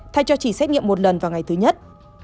thay cho chỉ xét nghiệm một lần vào ngày thứ nhất